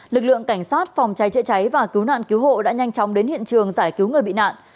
lực lượng cảnh sát phòng cháy chữa cháy và cứu nạn cứu hộ đã nhanh chóng đến hiện trường giải cứu người bị nạn